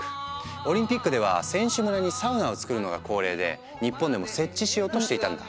オリンピックでは選手村にサウナを作るのが恒例で日本でも設置しようとしていたんだ。